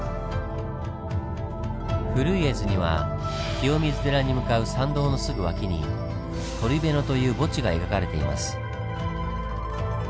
古い絵図には清水寺に向かう参道のすぐ脇に「鳥部野」という墓地が描かれています。